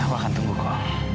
aku akan tunggu kau